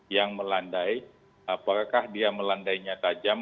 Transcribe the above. yang melandai apakah dia melandainya tajam